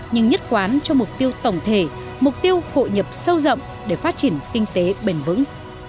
nhưng nhất quán cho mục tiêu tổng thể mục tiêu hội nhập sâu rộng để phát triển kinh tế bền vững